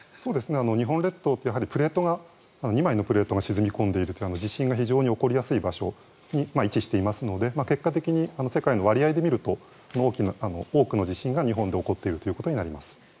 日本列島って、やはり２枚のプレートが沈み込んでいて地震が非常に起こりやすい場所に位置してしますので結果的に世界の割合で見ると多くの地震が日本で起こっているということになります。